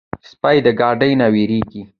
سپي د ګاډي نه وېرېږي.